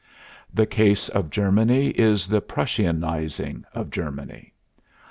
The case of Germany is the Prussianizing of Germany.